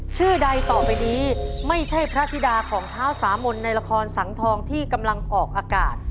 ใดต่อไปนี้ไม่ใช่พระธิดาของเท้าสามนในละครสังทองที่กำลังออกอากาศ